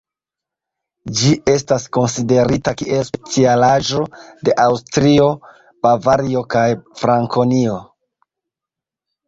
Ĝi estas konsiderita kiel specialaĵo de Aŭstrio, Bavario, kaj Frankonio.